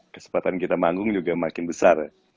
kesempatan kita manggung juga makin besar ya